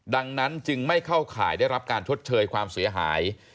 ดังนั้นจึงไม่เข้าข่ายได้รับการชดเชยความเสียหาย